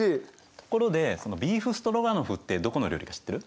ところでそのビーフストロガノフってどこの料理か知ってる？